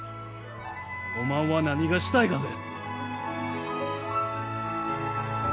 おまんは何がしたいがぜ？